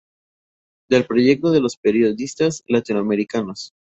Del proyecto de los periodistas latinoamericanos.